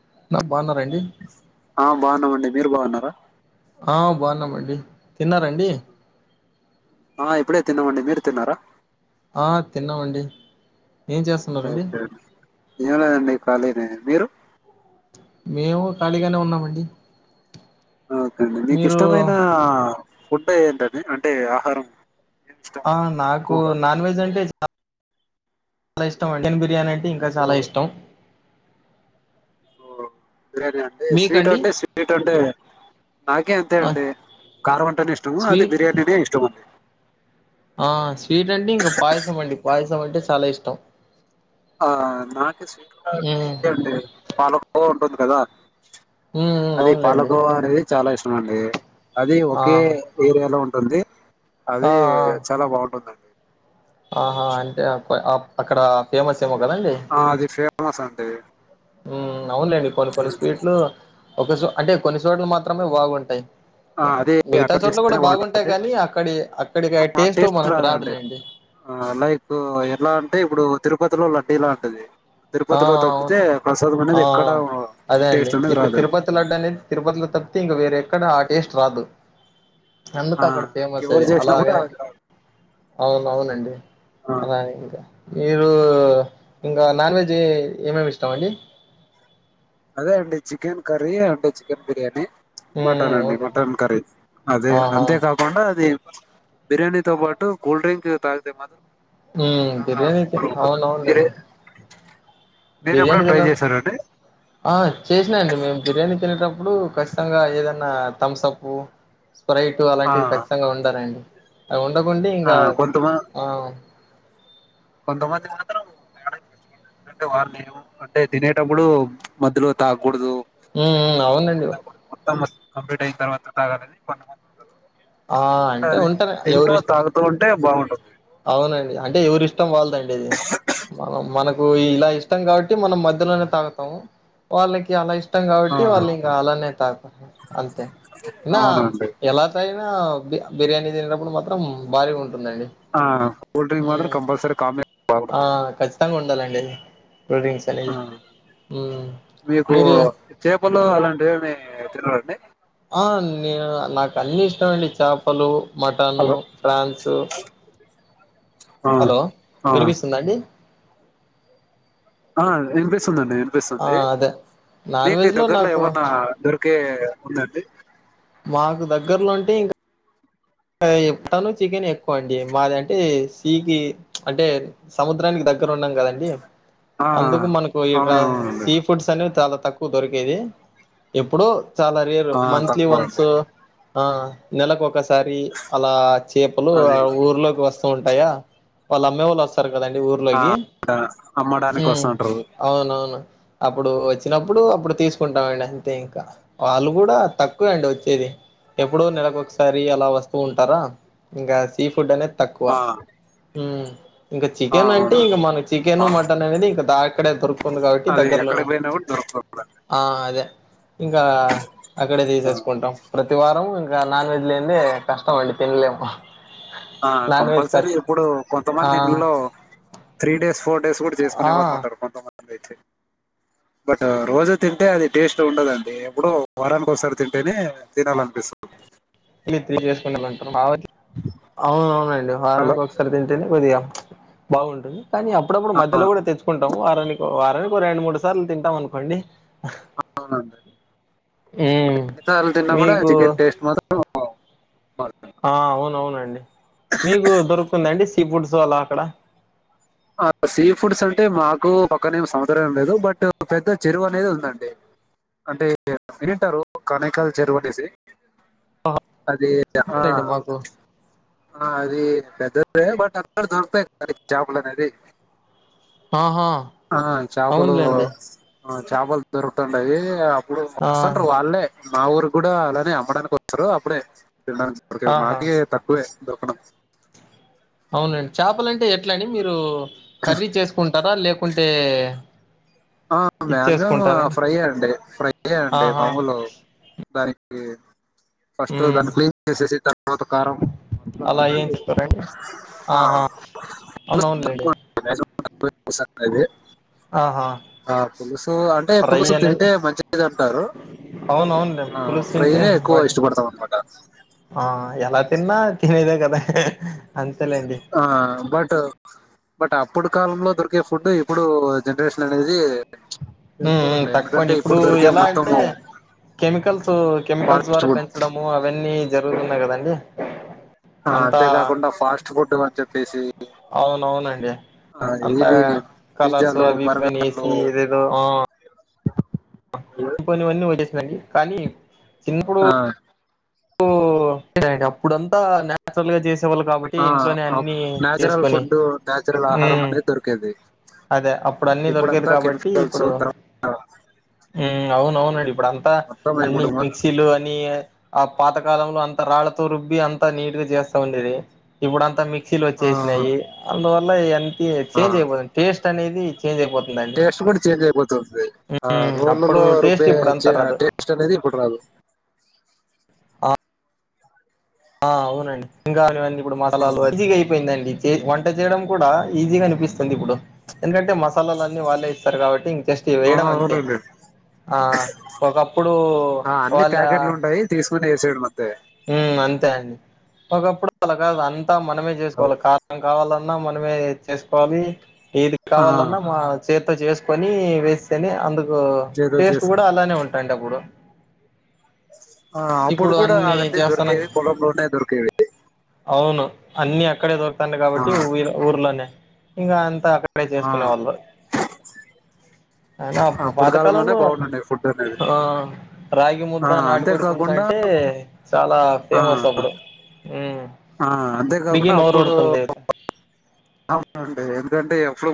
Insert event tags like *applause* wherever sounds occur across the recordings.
*unintelligible* ఆ బావున్నామండి మీరు బావున్నారా ఆ బావున్నామండి తిన్నారా అండి ఆ ఇప్పుడే తిన్నామండి మీరు తిన్నారా తిన్నావండి ఏం చేస్తున్నండి ఓకే అండి. ఏం లేదండి ఖాళీనే మీరు మేము ఖాళీగానే ఉన్నామండి ఓకే అండి నీకు మీరు ఇష్టమైన ఫుడ్ ఏంటది అంటే ఆహారం ఏమి ఇష్టం ఆ నాకు ఎక్కువగా నాన్ వెజ్ అంటే ఆ చాలా ఇష్టం *inaudible* బిర్యానీ అన్ ఇంకా ఓ, చాలా ఇష్టం ఓ బిర్యానీ అండి స్వీట్ మీకండి అంటే స్వీట్ అంటే నాకే అంతే ఆ అండి కారం వంటేనే ఇష్టము అది స్వీట్ బిర్యానీనే ఇష్టం అండి ఆ స్వీట్ అంటడి ఇంకా పాయసం అండి పాయసం అంటే చాలా ఇష్టం ఆ నాకు స్వీట్ అంటే మ్మ్ ఇదే అండి పాలకోవ ఉంటుంది కదా మ్మ్ అది అవునులేండి పాలకోవా అనేది చాలా ఇష్టం అండి అది ఆ ఒకే ఏరియాలో ఉం ఉంది ఆ ఆ అది చాలా బాగుంటుందండి ఆహా అంటే అ అక్కడ ఫేమస్ ఎమో కదా అండి ఆ అది ఫేమస్ అండి ఉ అవునులేండి కొన్ని కొన్ని స్వీట్లు ఒక అంటే కొన్ని చోట్లు మాత్రమే బాగుంటాయి ఆ అదే మిగతా అక్కడ చోట్ల కూడా చేస్తేనే బాగుంటాయి బాగుంటుంది, కానీ అక్కడి అక్కడికి ఆ టేస్ట్ మనకు రాదండి రాదులేండి. లైక్ ఎలా అంటే ఇప్పుడు తిరు తిరుపతిలో లడ్డీలాంటిది ఆ అవును ఆ ఎక్కడ అదే అండి టేస్ట్ అనేది ఇప్పుడు రాదు అది తిరుపతి లాడ్డనేది తిరుపతిలో తప్పితే ఇంక వేరేక్కడ ఆ టేస్ట్ రాదు ఆ అందుకు అక్కడ ఫేమస్ ఇంకెవరు అది చేసినా అలాగ, కూడా నే అది రాదు అవును అవునండి ఆ అలా ఇంకా మీరు ఇంకా నాన్ వెజ్ ది ఏమేమి ఇష్టం అండి అదే అండి chicken curry and chicken biryani హ్మ్ మటన్ హ్మ్. అండి అవునులేండి మటన్ కర్రీ అదే ఆహా అంతే కాకుండా అది బిర్యానీతో పాటు కూల్ డ్రింక్ తాగితే మాత్రం హ్మ్ చాలా బిర్యానీ అయితే సూపర్ ఉంటుందండి మీరే అవునవున్లేండి మీరు ఎప్పుడన్న ట్రై చేశార అండి ఆ చేసినా అండి మేము బిర్యానీ తినేటప్పుడు ఖచ్చితంగా ఏదన్న థమ్సప్పు స్ప్రైట్ ఆ అలాంటివి కచ్చితంగా ఉండాలండి అ ఉండకుండి ఆ ఇంగా కొంతమ ఆ కొంతమంది మాత్రం *inaudible* వారిని ఏమ అంటే తినేటప్పుడు మధ్యలో తాగ్గూడదు హ్మ్ హ్మ్ అవునండి తం కంప్లీట్ అయిన తర్వాత తాగాలని కొంతమంది ఆ ఉంటారు అంటే అది తింటూ ఎవరిష్ట తాగుతూ ఉంటే బాగుంటది అవునండి అంటే ఎవరిస్ టం వాళ్ళదండి ఇది మనం మన ఇలా ఇష్టం గావట్టి మనం మధ్యలోనే తాగతం వాళ్ళకి అలా ఇష్ టం ఆ గావట్టి వాళ్ళు ఇంగా అలానే తాగుతారు అంతే ఇనా అవునండి ఎలా తాగినా బి బిర్యానీ దినేటప్పుడు మాత్రం భారీగా ఉంటుందండి. ఆ కూల్డ్రింక్ మాత్రం ఉమ్ కంపల్సరీ కామి బాగు డి మీకు మీరు చేపలు అలాంటివి మీ తినడండి ఆ నే నాకు అన్ని ఇష్టంమండి చేపలు మటను హలో ఫ్రాన్సు ఆ హలో ఆ వినిపిస్తుందా అండి ఆ ండి ఆ అనిపిస్తుంది అదే నాన్ మీకు వెజ్ ఈ లో దగ్గరలో నాకు ఏవన్నా ద కే ఉందండి మాకు దగ్గర్లో అంటే ఇంకా తను చికెన్ ఎక్కువ అండి మాది అంటే స క అంటే సముద్రానికి దగ్గ ద ఉన్నాం కదండి ఆ అందుకు మనకు ఇ అవునవునండి సీ ఫుడ్స్ అనేవి త తక్కువ దొరికేది ఎప్పుడు చాలా రరు ఆ మంత్లీ తక్కువ వన్స్ అండి ఆ నెలక ఒక ఒకసారి అలా చేపలు అది ఊర్లోకి వస్త ఉంటాయా వాళ్ళు అమ్మే వాళ్ళు వస్తారు కదండి ఆ ఊర్లోకి అమ్మడానికి మ్ వస్తుంటారు అవునవును అప్పుడు వచ్చినప్పుడు అప్పుడు తీసుకుంటామండి అంతే ఇంకా, వాళ్ళు కూడా తక్కువ అండి వచ్చేది ఎప్పుడు నెలకు ఒకసారి అలా వ ఉంటారా ఇంకా స ఫుడ్ అనే తక్కువ ఆ ఇంకా ఆ చికెన్ అంటే అవునండి ఇంకా మనం చికెన్ మా మటన్ అనేది ఇంకా దా ఇక్కడే దొరుకుతుంది కాబట్టి అది దగ్గరలోనే ఎక్కడికి పోయినా కూడా దొరుకుతుంది ఆ అదే ఇంకా అక్కడే ఆ తీసేసుకుంటాం ప్రతివారం ఇంకా నాన్ వెజ్ కష్టమ అండి తినలేమ్ ఆ కంపల్సరీ ఇప్పుడు ఆ కొంతమంది ఇంట్లో త్రీ డేస్ ఫోర్ *unintelligible* కూడా ఆ చేసుకునే వాళ్ళ ఉంట కొంతమంది అయితే బట్ రోజు తింటే అది టేస్ట్ ఉండదండి, ఎప్పుడు వారానికి ఒకసారి తింటేనే తినాలనిపిస్తుంది ఇ త్రీ చేసుకుొ బం అవున అవునండి హలో వారానికి ఒకసారి తింటేనే కొదిగా బాగుంటుంది కానీ అప్పుడప్పుడు ఆ, మధ్యలో కూడా తెచ్చుకుంటాం వారని వారని రెండు మూడు సార్లు తింటాం అనుకోండి అవునండి మరి ఉమ్ ఎన్నిసార్లు తిన్నా కూడా మీకు చికెన్ టేస్ట్ మాత్రం మారదు. ఆ అవునవునండి మీకు దొరుకుతుందండి ఈ ఫుడ్స్ అల అక్కడ ఆ సీ ఫుడ్స్ అంటే మాకు పక్కనేమి సముద్రమేం లేదు బట్ పెద్ద చెరువు అనేది ఉందండి అంటే వినింటారు కనేకాల్ చెరువు అనేసి ఆ అది ఆ అంతేండి మాకు ఆ అది పెద్దదే బట్ అక్కడ దొరుకుతాయి *inaudible* చాపలనేది ఆహా ఆ చేపలు అవునులేండి ఆ చేపలు దొరుకుతాండాయి ఆ ప్పుడు ఆ వస్తాంటారు వాళ్ళే మా ఊరుకి కూడా అలానే అమ్మడానికి వస్తారు అప్పుడే *inaudible* ఆహా మాకీ తక్కువే దొరకడం అవునండి చేపలంటే ఎట్లండి మీరు కర్రీ చేసుకుంటారా లేక్ కుంటే ఆ మ్యాక్సిమమ్ ఫ్రై యే అండి ఫ్రై యే అండి ఆహా మాముూలు దాని కి ఫస్ట్ మ్మ్ ద కస మత్కారం అలా ఏం చెప్పరండి ఆ, ఆహా పులుసు అవునవును లేండి తక్కువ *inaudible* అనేది ఆహా ఆ పులుసు అంటే ఫ్రై పులుసు అనేది తింటే మంచిది అంటారు అవునవునులే ఆ పులుసు తింటే ఫ్రైనే ఎక్కువ వాడి ఇష్టపడతాం అనమాట ఆ ఎలా తిన్నా తినదా కద ఆ బట్ బట్ అప్పుడు కాలంలో దొరికే ఫుడ్ ఇప్పుడు జనరేషన్ అనేది తెలుసుకోరండి తక్కువండి ఎందుకంటే ఇప్పుడు దొరికే ఎలా మొత్తం అంటే కెమికల్స్ కెమికల్స్ ఫాస్ట్ ద్వారా ఫుడ్ పెంచడము అవన్నీ జరుగుతున్నాయి కదండి అంతా అంతే కాకుండా ఫాస్ట్ ఫుడ్ మ పసి అవున అవునండి అంతా ఇది కలర్స్ పిజ్జాలు అవి ఇని బర్గర్లు ఏసి ఏదేదో ఇం పోనివన్నీ వచ్చేసినండి కానీ చిన్నప్పుడు అప్పుడంతా నచురల్ గా చేసి కాబట్టి ఇంట్లోనే అన్ని న్యాచురల్ చేసుకొని ఫుడ్ న్యాచురల్ ఆహారం అనేది దొరికేది అదే అప్పుడు అన్ని దొరికేది ఇప్పుడంతా కాబట్టి కెమికల్స్ ఇప్పుడు హ అవునవును ఇప్పుడ అంతా మొత్తం అన్ని ఇప్పుడు మ- మిక్సీలు అని ఆ పాత కాలంలో అంత రాళ్తో రుబ్బి అంతా నీట్గా చేస్తా ఉండేది ఇప్పుడుంతా మిక్సీలో ఆ, వచ్చేసినాయి అందువల్ల మళ్ళా ఇ ఆ అయిపోతుందండి టేస్ట్ కూడా చేంజ్ అయిపోతుంది, ఆ ఉమ్ అప్పుడు రోళలో టేస్ట్ రుబ్బే ఇప్పుడు చే అంతా రాదు టేస్ట్ అనేది ఇప్పుడు రాదు. ఆ ఆ అవునండి ఇంకా అని ఇప్పుడు మసాలాలు మంచిగా అయిపోయిందండి వంట చేయడం కూడా ఈజీగా అనిపిస్తుంది ఇప్పుడు ఎందుకంటే మసాలాలన్నీ వాళ్ళే ఇస్తారు కాబట్టి ఇం జస్ట్ ఆ వేయడం అంతే అవునండి ఆ ఒకప్పుడు వాళ్ళ చేయడమంతే ఉ అంతే అండి తా మనమే చేసుకోవాలి కారం కావాలన్నా న్నా మనమే చేసుకోవాలి ఏది ఆ కావాలన్నా మా చేత్తో చేసు పని వేస్తేనే అందుకు చేతో టేస్ట్ చేసు కూడా అలానే ఉంటాండె అప్పుడు ఆ అప్పుడు ఇప్పుడు కూడా అన్ని అవన్నీ చేస్తానం దొరికేవి పొలంలోనే దొరికేవి అవును అన్ని అక్కడే దొర తాంది ఆ కాబట్టిఊ ఊర్లోనే ఇంకా అంత అక్కడ అక్కడే ఆ చేసుకునే వాళ్ళు అయినా అప్పుడు కాలంలోనే పాతకాలంలో బాగుండండి ఫుడ్ అనేది రాగి ఆ ముద్దా అంతేకాకుండా నాటుకోడి ే *unintelligible* ఆ ఫేమస్ అప్పుడు ఆ ఇప్పటికీ అంతేకాకుండా నోరు అప్పుడు ఊరుతుంది అవునండి ఎందుకంటే ఎప్పుడు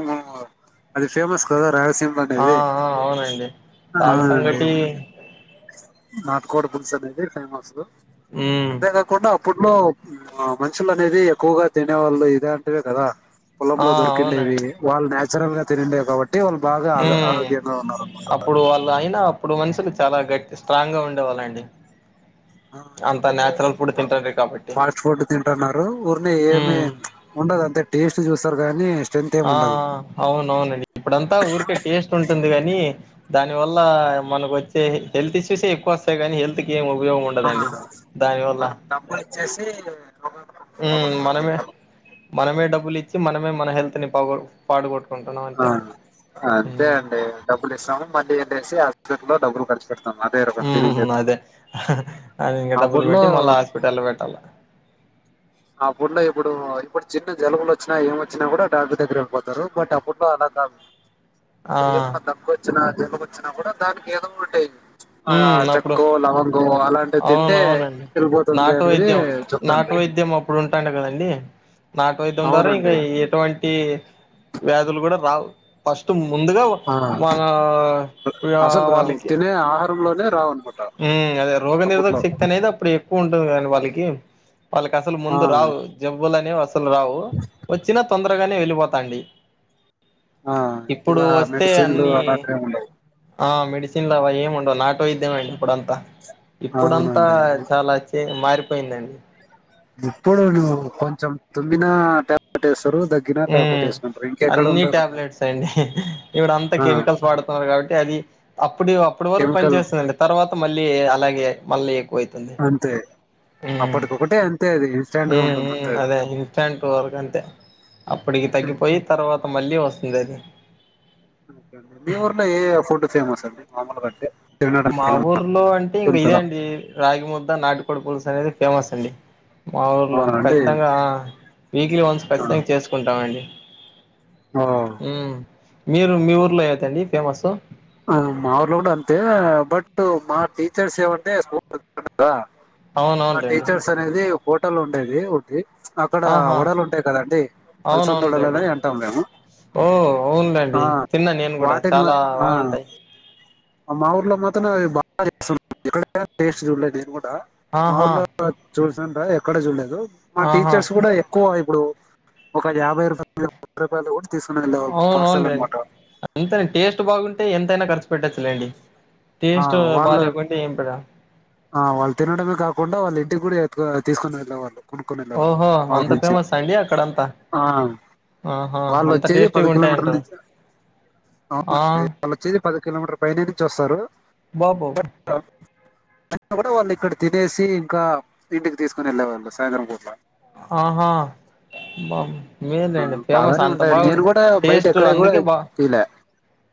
అది ఫేమస్ కదా రాయలసీమ ఆ అనేది అవునండి రాగి సంగటి నాటు కోడి పుల్స్ అనేది ఫేమస్ ఉమ్ అంతేకాకుండా అప్పుడు ఇంట్లో మనుషులు అనేది ఎక్కువగా తినే వాళ్ళు ఇదే అంటివే కదా ఆ పొలంలో దొరికిండేవి అవునండి వాళ్ళు నాచ్ ఇసర తండ *unintelligible* కాబట్టి వాళ్ళు బాగా ఆ ఉమ్ ఆరోగ్యంగా ఉన్నారు *unintelligible* ర మ సాలా అప్పుడు వాళ్ళు అయినా అప్పుడు మనుషులు చాలా గట్టి స్ట్రాంగ్గా ఉండేవాళ్ళండి అంత న్యాచురల్ ఫుడ్ తింటారు కాబట్టి ఫాస్ట్ ఫుడ్ తింటున్నారు ఊరిని ఏమి ఉమ్ ఉండదు అంతే టేస్ట్ చూస్తారు గానీ ఆ అవునవునండి ఇప్పుడంతా ఊరికే టేస్ట్ ఉంటుంది కాని దాని వల్ల మనకు వచ్చే హెల్త్ ఇష్యూసే ఎక్కువ వస్తాయి కానీ హెల్త్ క ఏం ఉపయోగం ఆ ఉండదండి దానివల్ల మనం డబ్బులు ఇచ్చేసి మ్మ్ మనమే *unintelligible* మనమే డబ్బులు ఇచి మనమే మన హెల్త్ అతని పా పాడుగొట్ అ అంతే అండి డబ్బులు ఇస్తాము మళ్ళీ ఏసి హస్లో డబ్బులు స సార్ ఉ అదే అది ఇంకా డబ్బులు అప్పట్లో పెట్టి మళ్ళా హాస్పిటల్ లో పెట్టాల అప్పట్లో ఇప్పుడు ఇప్పుడు చిన్న జలుబులు వచ్చినా ఏం వచ్చినా కూడా డాక్టర్ దగ్గర వెళ్ళిపోతారు, బట్ అప్పుట్లో అలా కాదు ఆ ఇప్పుడు ఏమన్నా తక్కువ వచ్చిన జలుబొచ్చినా కూడా దానికి ఏదో ఒకటి ఆ మ్మ్ అప్పుడు చెక్కు లవంగో అలాంటివి తింటే అవునవునండి వెళ్ళిపోతుంది అనేది చెప్తాంట్రి ఇప్పుడు ఉంటాండ కదండి నాటు వైద్యం ద్వారా ఇంకా అవునండి ఎటువం టీ వ్యాధులు కూడా రావు ఫస్ట్ ముందుగా ఆ వాన *unintelligible* వాళ్ళకి రంలోనే రావును ఊ అదే రోగ నిరోధక శక్తి అనేది అప్పుడు ఎక్కువున్ టుందని అని వాలికి వాళ్ళకి అసలు ఆ ముందు రావు జబ్బులనేవి తులు రావు వచ్చినా తొందరగానే వెలి పోతాండి ఆ ఇలా మెడిసిన్లు అన్ని అలాంటివేం ఉండవు ఆ మెడిసిన్ లు అవా ఏం ఉండవు నాటు వైద్యమైన్ ప్పుడంతా ఇప్పుడంతా అవునండి చాలా తే మారిపోయిందండి ఇప్పుడు నువ్వు కొంచెం తుమ్మినా టబ్లెట్ ఏస్ ఊ అన్నీ ఉంటారు టాబ్లెట్స్ అండి ఇప్పుడు అంతా ఆ కెమికల్స్ వాడుతున్నారు కాబట్టి అది అప్పుడివి అప్పుడు వరకు పని కెమికల్ చేేస్తదండి తరువా మళ్ళీ అలాగే మళ్ళీ అంతే హ్మ్మ్ అప్పటికొకటే అంతే అది ఇన్స్టాంట్ గా ఉంటుంది అంతే హ్మ్మ్ అదే ఇన్స్టంట్ వరకు అంతే అప్పటికి తగ్గిపోయి తర్వా మళ్ళీ వస్తుంది‌‌ అది సేమ్ వొస్తది మామూలుబట్టె మా ఊర్లో అంటే ఇంగ ఇదే అండి రాగి ము ద్ద నాటికోడు పులుసు అనేది. ఫేమస్ అండి మా ఊర్లో అవునా అండి ఖచ్చితంగా వీక్లీ వన్స్ ఖచ్చితంగా చేసుకుంటామండి. ఓ ఊ మీరు మీ ఊర్లో ఏంటండి ఫేమస్సు ఉ మా ఊర్లో కూడా అంతే బట్ మా టీచర్స్ ఏమంటే స్కూల్లో తినరు కదా మా అవునవునులేండి టీచర్స్ అనేది. హోటల్ ఉండేది ఒకటి అక్కడ ఆహా! వడలు ఉంటాయి కదండి అలసంద వడలు అవునవునులేండి. అని అంటాం మేము ఓ ఆ అవునులేండి. తిన్నా నేను కూడా వాటిని చాలా మ- ఆ బాగుంటాయి. మా ఊర్లో మాత్రం అవి బాగా చేస్తున్నారు. ఎక్కడ టెస్ట్ చూడలే నేను కూడ డా మా ఆహా ఊర్లో చూసింటా ఎక్కడ చూడలేదు. మా ఆహా టీచర్స్ కూడా ఎక్కువ అవి ఇప్పుడు ఒక యాభై రూపాలు రూపాయలు కూడా తీసుకుని వెళ్ళేవాళ్ళు అవును అవును పార్సల్ లేండి. అనమాట అంతేలే టేస్ట్ బాగుంటే ఎంతైనాఖర్చు పెట్టచ్చులేండి. ఆ టేస్ట్ వాళ్ళు బాలేకుంటే ఏం పెడ ఆ వాళ్ళు తినడమే కాకుండా వాల్లు ఇంటికి కూడా ఎత్కో తీసుకోని వెళ్ళేవాళ్ళు. కొనుక్కొని వెళ్ళేవాళ్ళు ఓహో! మా ఊరు అంత నుంచి ఫేమస్ అండి అక్కడంత ఆ ఆహా వాళ్ళు అంత వచ్చేది పది టేస్టీగా ఉంటాయి కిలోమీటర్ల అంటారు నుంచి ఆ వాళ్ళు వచ్చేది పది కిలోమీటర్ పైనే నుంచి వస్తారు. బాబ్ బా బో అయినా కూడా వాళ్ళు ఇక్కడ తినేసి ఇంకా ఇంటికి తీసుకుని వెళ్ళేవాళ్ళు సాయంత్రం పూట్ల ఆహా! బమ్ మేలేండి ఫేమస్ బాగానే అంత ఉంటాయండి బాగున్ నేను కూడా బయట టేస్ట్ ఎక్కడ కూడా అందుకే బా తీలే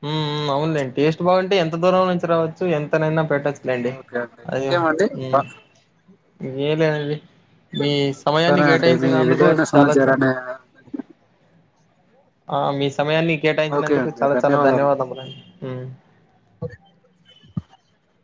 ఊ ఊ అవునులేండి టేస్ట్ బాగుంటే ఎంత దూరం నుంచి రావచ్చు ఎంతనైనా పే ఓకే అండి ఇంకేమండి బ ఇంకేం లేదండి. మీస్ సరే అండి మీ విలువైన సమాచారాన్ని ఆ మీస్ సమయాన్ని ఓకే కేటాయించినందుకు అండి చాలా చాలా ధన్యవాదాలు ధన్యవాదములండి. *unintelligible*